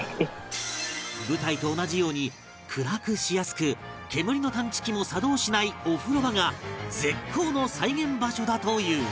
舞台と同じように暗くしやすく煙の感知器も作動しないお風呂場が絶好の再現場所だという